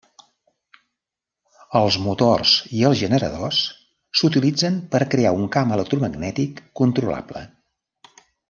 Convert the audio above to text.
Als motors i als generadors s'utilitzen per crear un camp electromagnètic controlable.